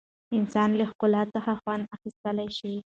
انسان له ښکلا څخه خوند اخیستلی شي.